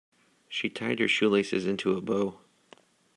She tied her shoelaces into a bow.